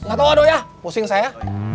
gatau doi ya pusing saya